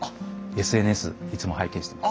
ＳＮＳいつも拝見してます。